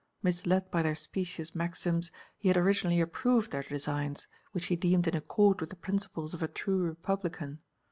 Misled by their specious maxims, he had originally approved their designs, which he deemed in accord with the principles of a true Republican.